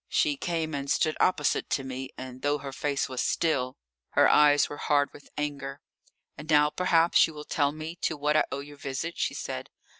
She came and stood opposite to me, and though her face was still, her eyes were hard with anger. "And now perhaps you will tell me to what I owe your visit?" she said.